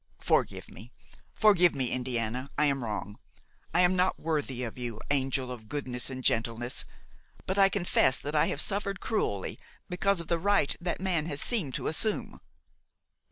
"Forgive me, forgive me, Indiana, I am wrong! I am not worthy of you, angel of goodness and gentleness! but I confess that I have suffered cruelly because of the right that man has seemed to assume."